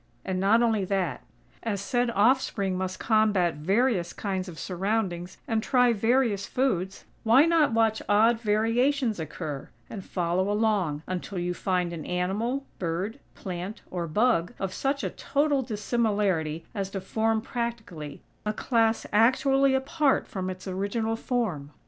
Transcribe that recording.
And not only that. As said offspring must combat various kinds of surroundings and try various foods, why not watch odd variations occur, and follow along, until you find an animal, bird, plant or bug of such a total dissimilarity as to form practically, a class actually apart from its original form?